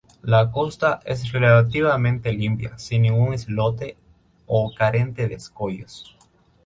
La costa es relativamente limpia, sin ningún islote o carente de escollos.